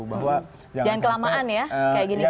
jangan kelamaan ya kayak gini gini ya